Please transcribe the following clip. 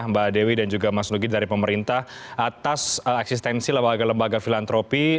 mbak dewi dan juga mas nugi dari pemerintah atas eksistensi lembaga lembaga filantropi